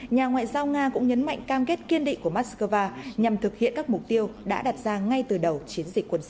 nhà ngoại giao nga cũng nhấn mạnh cam kết kiên định của moscow nhằm thực hiện các mục tiêu đã đặt ra ngay từ đầu chiến dịch quân sự